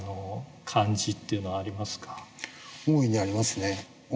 大いにありますね。